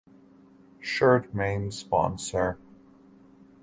Shirt main sponsor